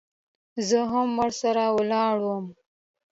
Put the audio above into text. زه هم ورسره ولاړم.